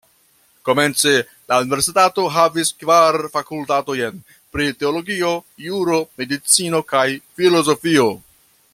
Komence, la universitato havis kvar fakultatojn pri teologio, juro, medicino kaj filozofio.